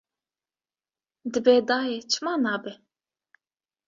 Dibe, dayê, çima nabe